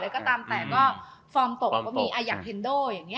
แล้วก็ตามแต่ก็ฟอร์มปกก็มีอายักเทนโด